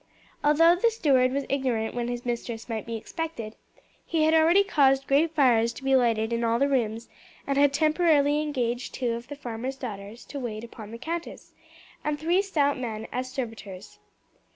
Although the steward was ignorant when his mistress might be expected, he had already caused great fires to be lighted in all the rooms and had temporarily engaged two of the farmer's daughters to wait upon the countess, and three stout men as servitors.